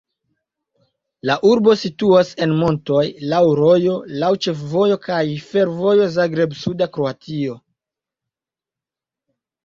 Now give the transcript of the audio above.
La urbo situas en montoj, laŭ rojo, laŭ ĉefvojo kaj fervojo Zagreb-suda Kroatio.